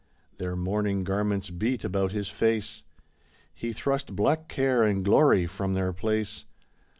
Their mourning garments beat about his face. He thrust black Care and Glory from their place.